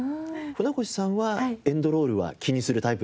舟越さんはエンドロールは気にするタイプですか？